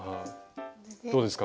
どうですか？